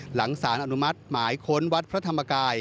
หลังสารอนุมัติหมายค้นวัดพระธรรมกาย